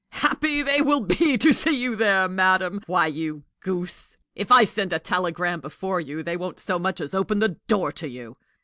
"Happy they will be to see you there, madam! Why, you goose, if I send a telegram before you, they won't so much as open the door to you!